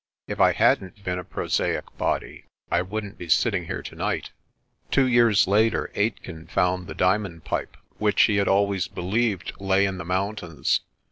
If I hadn't been a prosaic body, I wouldn't be sitting here tonight." Two years later Aitken found the diamond pipe, which he had always believed lay in the mountains.